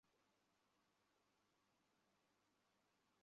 তারা খুব মারে।